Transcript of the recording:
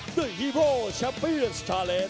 กตรงนั้นเวลา